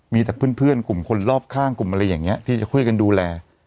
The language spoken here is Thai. มีแต่เพื่อนกลุ่มคนรอบข้างกลุ่มอะไรอย่างนี้ที่จะช่วยกันดูแล